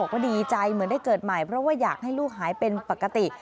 ว่าดีใจเหมือนได้เกิดใหม่เพราะว่าอยากให้ลูกหายเป็นปกติ